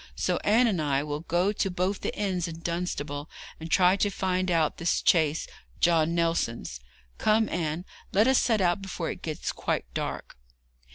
So Anne and I will go to both the inns in Dunstable, and try to find out this chaise John Nelson's. Come, Anne, let us set out before it gets quite dark.'